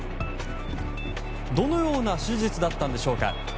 どのような手術だったんでしょうか。